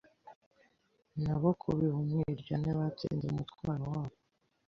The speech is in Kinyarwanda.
Nabo kubiba umwiryane batsinze umutwaro wabo